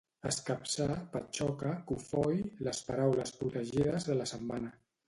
Escapçar, patxoca, cofoi, les paraules protegides de la setmana